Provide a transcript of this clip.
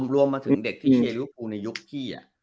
รวมมาถึงเด็กที่เชียร์กูในยุคที่